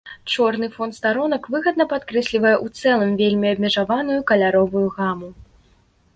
Чорны фон старонак выгадна падкрэслівае ў цэлым вельмі абмежаваную каляровую гаму.